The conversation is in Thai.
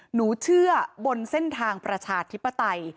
หนูเชื่อบนเส้นทางประชาธิปไตย